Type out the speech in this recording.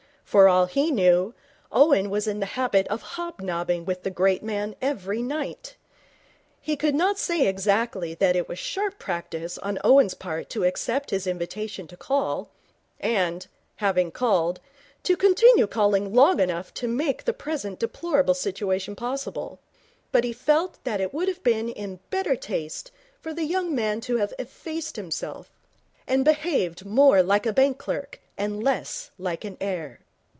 For all he knew, Owen was in the habit of hobnobbing with the great man every night. He could not say exactly that it was sharp practice on Owen's part to accept his invitation to call, and, having called, to continue calling long enough to make the present deplorable situation possible; but he felt that it would have been in better taste for the young man to have effaced himself and behaved more like a bank clerk and less like an heir.